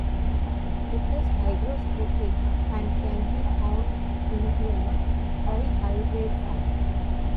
It is hygroscopic, and can be found in a trihydrate form.